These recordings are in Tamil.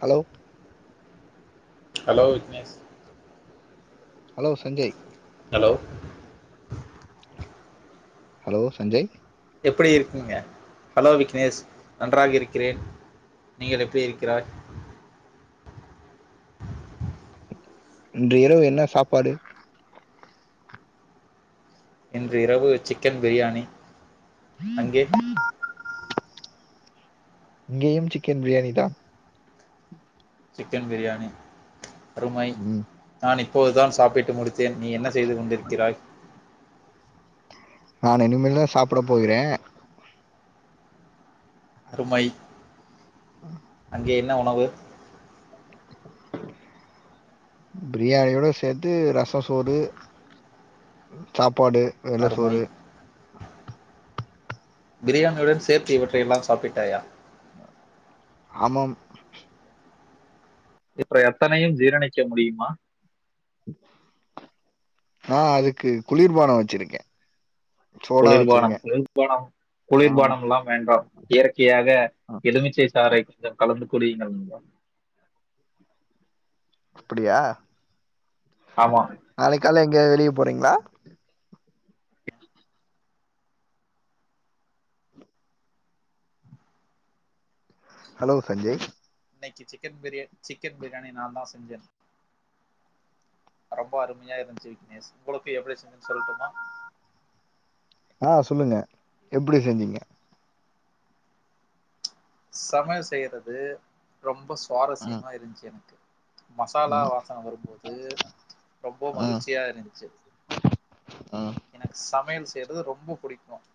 Hello hello Vignesh hello Sanjay hello hello Sanjay எப்படி இருக்குங்க ஹலோ விக்னேஷ் நன்றாக இருக்கிறேன் நீங்கள் எப்படி இருக்கிறாய் இன்று இரவு என்ன சாப்பாடு இன்று இரவு சிக்கன் பிரியாணி அங்கே இங்கயூம் சிக்கன் பிரியாணி தா சிக்கன் பிரியாணி அருமை ம் நான் இப்போதுதான் சாப்பிட்டு முடித் லோன் நீ என்ன செய்து கொண்டிருக்கிறாய் நான் இனிமேல் தான் சாப்பிட போகிறே அருமை அங்கே என்ன உணவு பிரியாணியோட சேர்த்து ரசோ சோறு சாப்பாடு வெள்ள அருமை சோறு பிரியாணியுடன் சேர்த்து இவற்றையெல்லாம் சாப்பிட்டாயா ஆமாம் இப்பற எத்தனையூம் ஜீரணிக்க முடியுமா ஆ அதுக்கு குளிர்பானோ வச்சிருக்கே குளிர்பானம் குளிர்பானம் ஆமா குளிர்பானம்லாம் வேண்டாம் இயற்கையாக ஆ, எலுமிச்சை சாறை கொஞ்சோ கலந்து குடியுங்கள் நண்பா அப்டியா ஆமா நாளைக்கு கால்ல எங்கயாவது வெளியே போறீங்களா ஹலோ சஞ்சய் இன்னிக்கு சி சிக்கன் பிரியாணி சிக்கன் பிரியாணி நான் தான் செஞ்சேன் ரொம்ப அருமையா இருந்துச்சு விக்னேஷ் உங்களுக்கு எப்டி செஞ்சோன்னு சொல்லுட்டுமா ஆ சொல்லுங்க எப்டி செஞ்சீங்க சமையல் செய்யறது ரொம்ப ம் சுவாரஸ்யமா இருந்துச்சு எனக்கு மசாலா ம் வாசனை வரும்போது ரொம்ப ம் மகிழ்ச்சியா இருந்ச்சு ம் எனக்கு சமையல் செய்யறது ரொம்ப புடிக்கும்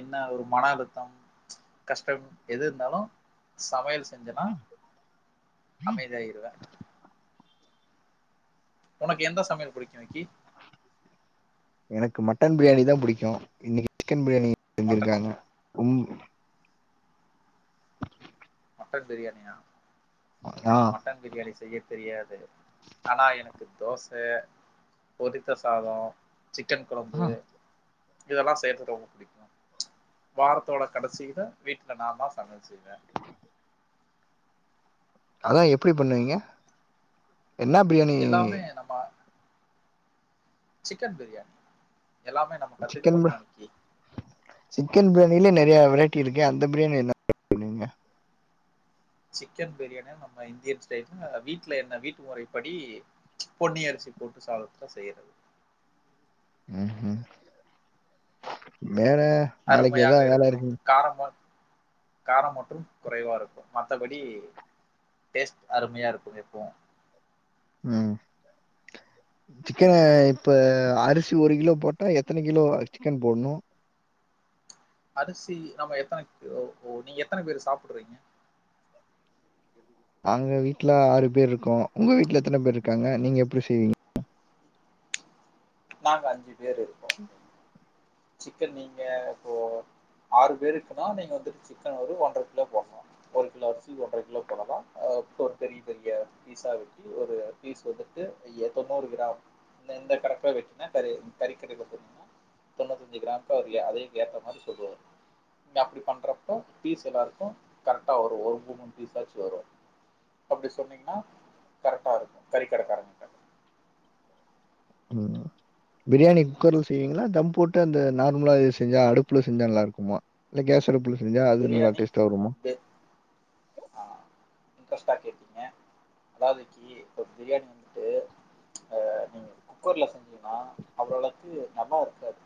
என்னா ஒரு மன அழுத்தம் கஷ்டம் எது இருந்தாலும் சமையல் செய்ஞ்சனா அமைதியாயிடுவோ உனக்கு எந்த சமையல் பிடிக்கும் விக்கி எனக்கு மட்டன் பிரியாணி தா பிடிக்கும் இன்னிக்கு சிக்கன் பிரியாணி மட்டன் செஞ்சிருக்காங்க ம் மட்டன் பிரியாணியா ஆ ட்டன் பிரியாணி செய்ய தெரியாது ஆனா எனக்கு தோச பொதித்த சாதம் சிக்கன் கொழம்பு ஆ இதெல்லா செய்யறது ரொம்ப புடிக்கும் வாரத்தோட கடைசில வீட்ல நா தா சமையல் செய்வே அத்தா எப்பிடி பண்ணுவீங்க என்னா பிரியாணி ஏ நம்ம சிக்கன் பிரியாணி எல்லாமே நா சிக்கன் பா சிக்கன் பிரியாணிலயே நெறைய வெரைட்டி இருக்கு அந்த பிரியாணி என்ன பண்ணுவீங்க சிக்கன் பிரியாணிய நம்ம இந்தியன் ஸ்டைல்ல வீட்ல என்ன வீட்டு முறைப்படி பொன்னி அரிசி போட்டு சாதத்துல செய்யறது ம்ம் மேல நாளைக்கு ஏதா வேலை இருக்குங் காரம்மோ காரம் மட்டும் குறைவா இருக்கும் மத்தபடி டேஸ்ட் அருமையா இருக்கும் எப்பவு ம் சிக்கன ம். இப்ப அரி சி ஒரு கிலோ போட்டா எத்தன கிலோ சிக்கன் போட்ணு அரிசி நம்ம எத்தனை ஓ நீங்க எத்தனை பேரு சாப்புட்றீங்க நாங்க வீட்ல ஆறு பேர் இருக்கோ உங்க வீட்ல எத்தனை பேர் இருக்காங்க நீங்க எப்டி செய்வீங்க நாங்க அஞ்சு பேரு [inaudible] சிக்கன் நீங்க இப்போ ஆறு பேருக்குன்னா நீங்க வந்துட்டு சிக்கன் ஒரு ஒன்ரைகிலோ போட்ணு ஒரு கிலோ அரிசிக்கு ஒன்ரை கிலோ போட்டாதா ஆ இப்ப பெரிய பெரிய பீஸா வெட்டி ஒரு பீஸ் வந்துட்டு எத்தனோர் கிராம் இந்த இந்த கணக்கா வெட்டுனா கறி கறிக்கடையில போனீனா தொண்ணூத்தஞ்சு கிராமக்கு அவரு அத ஏத்த மாறி சொல்லுவாரு நீங்க அப்டி பண்றப்போ பீஸ் எல்லாருக்கு கரெக்டா வரும் ஒரு மூன் மூனு பீஸ்சாச்சு வரும் அப்டி சொன்னீங்கன்னா கரெக்டா இருக்கும் கறி கடைக்காரன்கிட்ட ம் பிரியாணி குக்கர்ல செய்வீங்களா தம் போட்டு அந்த நார்மலா செஞ்சா அடுப்புல செஞ்சா நல்லா இருக்குமா இல்ல கேஸ் அடுப்புல செஞ்சா அது நல்லா பிரியாணி டேஸ்ட்டா வருமா இன்ட்ரெஸ்டா கேட்டீங்க அதாவது கி இப்ப பிரியாணி வந்துட்டு நீங்க குக்கர்ல செஞ்சீனா அவ்ளோளக்கு நல்லா இருக்காது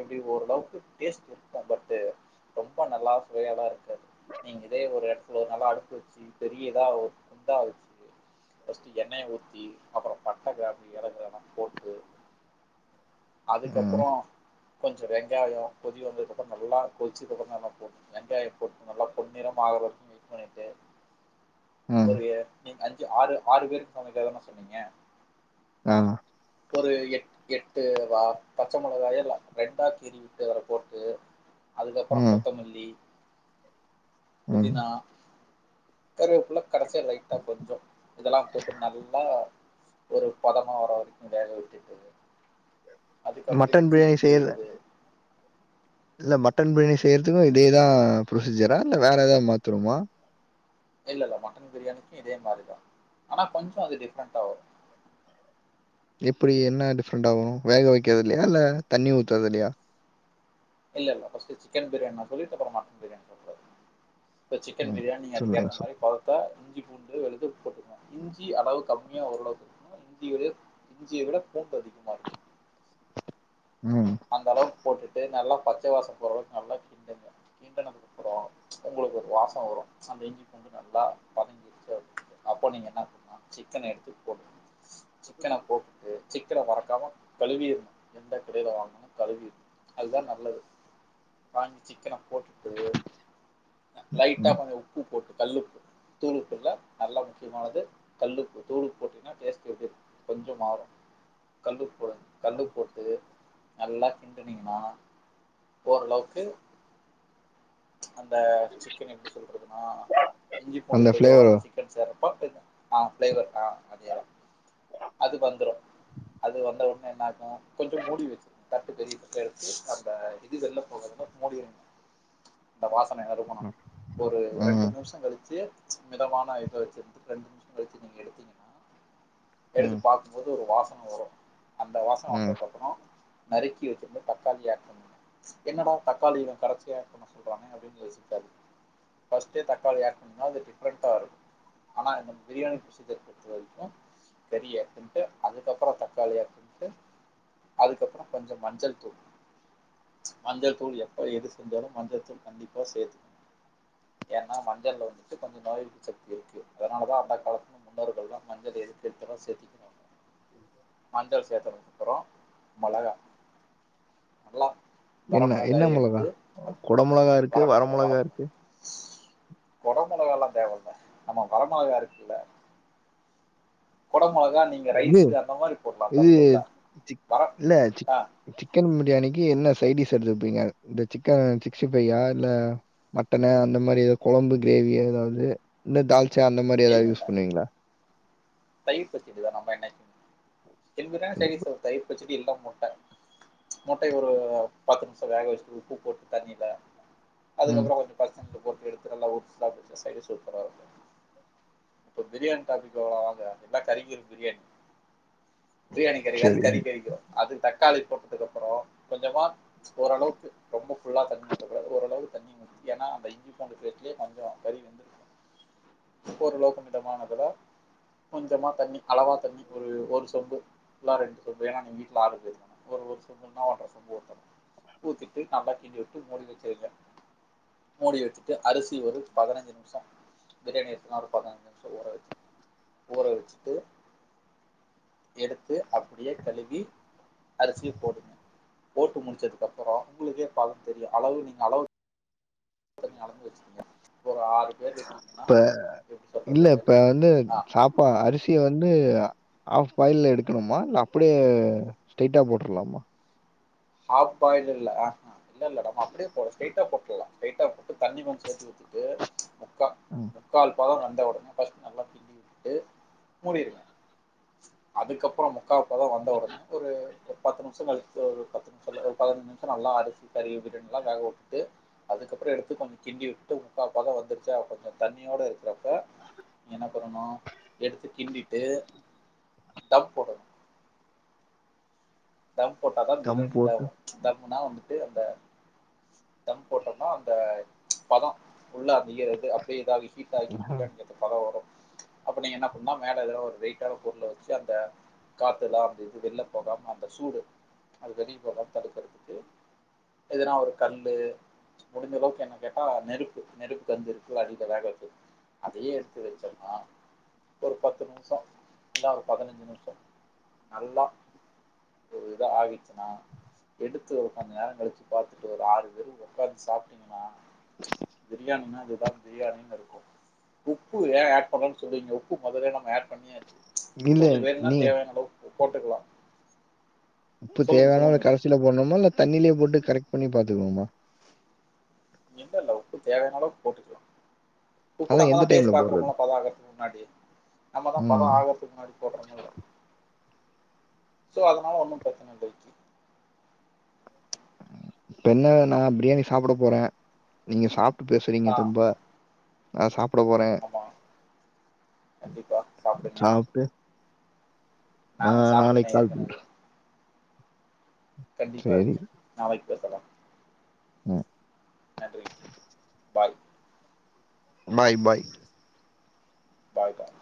எப்டி ஓரளவுக்கு டேஸ்ட் இருக்கும் பட்டு ரொம்ப நல்லா [unintelligible] எல்லா இருக்காது நீங்க இதே ஒரு எடத்துல ஒரு நல்ல அடுப்பு வச்சு பெரிய இதா குண்டாவ ச்சு ஃபர்ஸ்ட்டு எண்ணெய ஊத்தி அப்றோ பட்ட கிராம்பு ஏலக்கால்லா போட்டு ம் அதுக்கபறோ கொஞ்சோ வெங்காயம் கொதி வந்ததுக்கப்றோ நல்லா கொதிச்சக்கப்றோ நல்லா போட்ணு வெங்காயம் போட்டு நல்லா பொன்னிறமா ஆவற வரைக்கு வெயிட் பண்ணிட்டு ம் ஒருயே நீங்க அஞ்சு ஆறு ஆறு பேருக்கு சமைக்க தான சொன்னீங்க ஆ ஒரு எட் எட்டு ரா பச்ச மிளகாயோ [unintelligible] ரெண்டாக்கி கீறீட்டு அற போட்டு அதுக்கப்பறோ ம் கொத்தமல்லி ம் புதினா கருவேப்புள்ள கடைசியா லைட்டா கொஞ்சோ இதெல்லா போட்டு நல்லா ஒரு பதமா வர வரைக்கு வேக விட்டுட்டு [inaudible] அதுக்கப்பறோ மட்டன் இஞ்சி பிரியாணி பூண்டு செய்ய விழுது இல்ல மட்டன் பிரியாணி செய்றதுக்கு இதேதா ப்ரொசீஜரா இல்ல வேற ஏதாவது மாத்தனுமா இல்ல இல்ல மட்டன் பிரியாணிக்கு இதே மாறிதா ஆனா கொஞ்ச அது டிஃப்ரெண்ட்டா வரு எப்படி என்ன டிஃப்ரெண்ட்டா வரு வேக வைக்கறதுலயா இல்ல தண்ணி ஊத்துறதுலயா இல்ல இல்ல பஸ்ட் சிக்கன் பிரியாணின் சொல்லிட்டு அப்பற மட்டன் பிரியாணி சொல்ல கூாது இப்போ சிக்கன் ம். பிரியாணி சொல்லுங்க அதுக்கேத்த சொல் மாறி பௌத்தா இஞ்சி பூண்டு வெழுது உள்ள போட்டு ஆமா இஞ்சி அளவு கம்மியா ஓரளவுக்கு இருக்கனு இஞ்சிய விட இஞ்சிய விட பூண்டு அதிகமா இருக்கு ம் அந்தளவுக்கு போட்டுட்டு நல்லா பச்ச வாச போற அளவுக்கு நல்லா கிண்டுங்க கிண்டிணத்துக்கு அப்பறோ உங்களுக்கு ஒரு வாச வரு அந்த இஞ்சி பூண்டு நல்லா வந்தங்கிடுச்சு அப்ப நீங்க என்ன பண்ணலா சிக்கன எடுத்துட்டு போட் சிக்கன போட்டுட்டு சிக்கன மறக்காம கழுவிருணு எந்த கடையில வாங்க கழுவிருனு அதுதா நல்லது வாங்கி சிக்கன போட்டு [inaudible] லைட்டா ம். கொஞ்ச உப்பு போட்டு கல்லுப்பு தூளுப்புல்ல நல்லா முக்கியமானது கல்லுப்பு தூளுப்பு போட்டினா டேஸ்ட் எப்டி இருக்கு கொஞ்ச மாறு கல்லுப்பு போடுங்க கல்லுப்பு போட்டு நல்லா கிண்டுனீங்கன்னா ஓரளவுக்கு அந்த சிக்கன எப்படி சொல்றதுன்னா இஞ்சி பூண்டுகளோட அந்த சிக்கன் சிக்கன் சாப்ட்டோ அ ஃபிளேவர் அ அதேதா அது வந்துடு அது வந்த ஒனே என்னாகு கொஞ்ச மூடி வெசச்சுறு தட்டு பெரிய தட்டா எடுத்து அந்த இது வெள்ல போகாத மாரி மூடிர்னோ அந்த வாசன நறுபணு ம், ஒரு ரெண்டு ம், நிமிசோ கழிச்சு கொஞ்ச மிதமான இத வச்சிருந்து ரெண்டு நிமிஷ கலிச்சி நீங்க எடுத்தீங்கன்னா ம் போது ஒரு வாசனை வரு அந்த வாசனை ம். வந்ததுக்கப்பறோ நறுக்கி வச்சிறுந்து தக்காளிய ஆட் பண்ணணு என்னடா தக்காளி இவ கடைசியா ஆட் பண்ண சொல்றானே அப்டின்னு யோசிக்காதீங்க ஃபஸ்ட்டே தக்காளிய ஆட் பன்னோனா அது டிஃப்ரண்டா இருக்கோ ஆனா இந்த பிரியாணி விஷயத்த பொறுத்த வரைக்கு பெரிய துண்ட்டு அதுக்கப்பறோ தக்காளிய துன்ட்டு அதுக்கப்பறோ கொஞ்ச மஞ்சள் தூள் மஞ்சள் தூள் எப்ப எது செஞ்சாலு மஞ்சள் தூள் கண்டிப்பா சேத்துக்கனு ஏன்னா மஞ்சள்ள வந்துட்டு கொஞ்ச நோயெதிர்ப்பு சக்தி இருக்கு அதனாலதா அந்த காலத்து முன்னோர்கள் தா மஞ்சள்ளு கொஞ்சமா சேத்திக்கினோ மஞ்சள் சேத்ததுக்கப்பறோ மொளகா நல்லா என்ன என்ன வரமிளகாய மொளகா எடுத்து கொட மொளகா இருக்கு வர வரமிளகா மொளகா வரமிளகா இருக்கு கொட மொளகால்லா தேவல்ல நம்ம வர மொளகா இருக்குல்ல கொடமொளகா நீங்க இது ரைஸ்சு அந்த மாரி போடலா இது தப்புல்ல சிக் வரோ இல்ல சிக் ஆ சிக்கன் பிரியாணிக்கு என்ன சைடிஸ் எடுத்துப்பீங்க இந்த சிக்கன் சிக்ஸ்டி ஃபைய்யா இல்ல மட்டனு அந்த மாரி ஏத குழம்பு கிரேவி அதாவது இந்த தால்ச்சா அந்த மாரி இல்ல ஏதாவது இல்ல யூஸ் பண்ணுவீங்களா தயிர் பச்சடிதா நம்ம என்னைக்கு இனிமேதா சைடிஸ் ஒரு தயிர் பச்சடி இல்லனா முட்ட முட்டய ஒரு பத்து நிமிஷ வேக வச்சுட்டு உப்பு போட்டு தண்ணில ம். அதுக்கப்பறோ கொஞ்ச பச்ச தண்ணில போட்டு எடுத்து நல்லா உறிச்சி சாப்டா சைடிஸ் சூப்பர இருக்கு இப்போ பிரியாணி டாபிக் வருவோ வாங்க எல்லா கறிக்கிற பிரியாணி பிரியாணி கறிக்காது அது சரி. கறி கறிக்கு அது தக்காளி போட்டதுக்கப்பறோ கொஞ்சமா ஓரளவுக்கு ரொம்ப ஃபுல்லா தண்ணி ஊத்தக்கூடாது ஓரளவுக்கு தண்ணி ஏன்னா அந்த இஞ்சி பூண்டு பேஸ்ட்லயே கொஞ்ச கறி வெந்துருக் ஒரளவுக்கு மிதமானதுல கொஞ்சமா தண்ணி அளவா தண்ணி ஒரு ஒரு சொம்பு புல்லா ரெண்டு சொம்பு ஏன்னா நீங்க வீட்ல ஆறு பேர் தான ஒரு சொம்பு இல்லனா ஒன்ற சொம்பு ஊத்தணு ஊத்திட்டு நல்லா கிண்டி விட்டு மூடி வச்சிருந்தே மூடி வெச்சிட்டு அரிசி ஒரு பதினஞ்சு நிம்சோ பிரியாணி சுமார் ஒரு பதினஞ்சு நிம்ஷோ ஊற வச்சி ஊற வச்சிட்டு எடுத்து அப்படியே கலுவி அரிசிய போடுங்க போட்டு முடிச்சதுக்கப்பறோ உங்களுக்கே பதோ தெரியோ அளவு நீங்க அளவு சுட தண்ணிய அளந்து வச்சுக்குங்க ஒரு ஆறு பேர் இருக்கீங்கன்னா இப்ப எப்படி சொல்றது ஆ ப்பா அரிசிய வந்து ஆஃப் பாயில் எடுக்கணுமா இல்ல அப்டியே ஸ்ட்ரைட்டா போட்டுரலாமா ஹாஃப் பாயில் இல்ல ஆஃப் இல்ல மேடம் அப்டியே போடு ஸ்ட்ரைட்டா போட்லா ஸ்ட்ரைட்டா போட்டு தண்ணி கொஞ்ச சேத்து ஊத்திட்டு முக்கா ம். முக்கால் பொக வந்த வுடனே ஃபர்ஸ்ட் நல்லா கிண்டி விட்டு மூடிருங்க அதுக்கப்பரமு முக்காப் பதோ வந்த ஒடனே ஒரு பத்து நிமிஷ கழிச்சு ஒரு பத்து நிமிஷ இல்ல ஒரு பதினைந்து நிமிஷ நல்லா அரிசி கழுவி நல்லா வேக விட்டு அதுக்கப்பற எடுத்து கொஞ்ச கிண்டி வுட்டு முக்கா பத வந்துருச்சா கொஞ்ச தண்ணியோட இருக்கிறப்ப நீ என்ன பண்ணணு எடுத்து கிண்டிட்டு தம் போடணு தம் போட்டாதா தம் பிரியாணி போட்டு இதாவு தம்னா வந்துட்டு அந்த தம் போட்டோம்னா அந்த பத உள்ள அப்டியே இது அப்டியே இதாவி ஹீட் ஆகி ம். பிரியாணி க்கு அந்த பதோ வரு அப்ப நீங்க என்ன பண்ணுணா மேல எதோ ஒரு வெயிட்டான பொருள வச்சு அந்த காத்துலா அந்த இது வெல்ல போகாம அந்த சூடு அது வெளியே போகாம தடுக்றதுக்கு எதுனா ஒரு கல்லு முடிஞ்சளவுக்கு என்ன கேட்டா நெருப்பு நெருப்பு கங்கு இருக்குல அடில வேக வச்சு அதயே எடுத்து வச்சோம்ன்னா ஒரு பத்து நிமிஷோ இன்னா ஒரு பதினஞ்சு நிமிஷோ நல்லா எது ஆவிச்சுனா எடுத்து ஒரு கொஞ்ச நேர கழிச்சு பாத்துட்டு ஒரு ஆறு பேர் உக்காந்து சாப்ட்டிங்கன்னா பிரியாணி னா இதுதான் பிரியாணின்னு இருக்கு உப்பு ஏ ஆட் பண்ணலனு சொல்றீங்க உப்பு மொதலே நம்ம ஆட் பண்ணியாச்சு உப்பு இல்ல கொஞ்ச வேணுனா நீ தேவையானளவுக் போட்டுக்கலா உப்பு சொல்லுங்க தேவையானளவு சொல்லுங்க கடைசில போணுமா இல்ல தண்ணிலயே போட்டு கரெக்ட் பண்ணி பாத்துக்கணுமா இப்பல்ல உப்பு தேவையானளவு போட்டுக்கலா உப்பு அதான் நம்மதா எந்த டேஸ்ட் டைம்ல போடுறது? பாக்குறோமோ பதோ ஆகறதுக்கு முன்னாடி நம்ம தா பதோ ம். ஆகறதுக்கு முன்னாடி போடுறமில்ல சோ அதனால ஒன்னு பிரச்சன இல்லை இப்ப என்ன நா பிரியாணி சாப்பட போறே நீங்க சாப்ட்டு பேசுறீங்க ஆ தெம்பா நா சாப்ட போறே ஆமா கண்டிப்பா சாப்பிடுங்க சாப்ட்டு நா நானும் நாளைக்கு சாப்பிட்டேன் கால் பண்ற ஏற்கனவே கண்டிப்பா சரி. ஜி நாளைக்கு பேசலா ம் என்ன treat bye bye bye bye பாய்